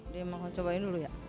dia mau cobain dulu ya